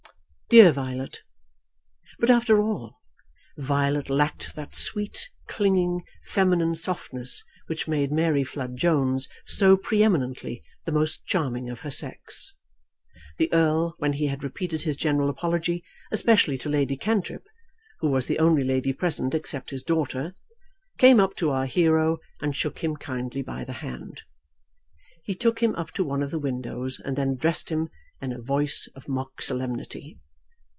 Dear Violet! But, after all, Violet lacked that sweet, clinging, feminine softness which made Mary Flood Jones so pre eminently the most charming of her sex. The Earl, when he had repeated his general apology, especially to Lady Cantrip, who was the only lady present except his daughter, came up to our hero and shook him kindly by the hand. He took him up to one of the windows and then addressed him in a voice of mock solemnity.